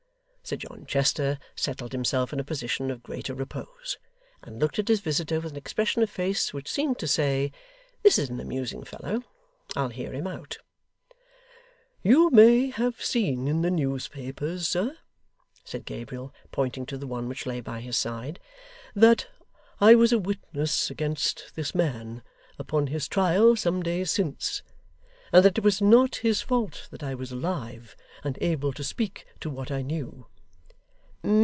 Sir John Chester settled himself in a position of greater repose, and looked at his visitor with an expression of face which seemed to say, 'This is an amusing fellow! I'll hear him out.' 'You may have seen in the newspapers, sir,' said Gabriel, pointing to the one which lay by his side, 'that I was a witness against this man upon his trial some days since; and that it was not his fault I was alive, and able to speak to what I knew.